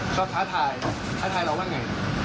เขาท้าทายท้าทายเราว่าไง